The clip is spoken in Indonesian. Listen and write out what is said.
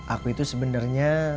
aku itu sebenarnya